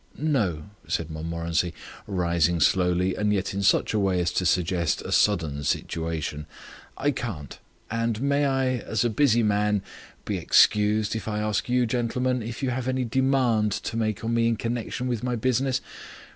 "No," said Mr Montmorency, rising slowly and yet in such a way as to suggest a sudden situation, "I can't. And may I, as a busy man, be excused if I ask you, gentlemen, if you have any demand to make of me in connection with my business.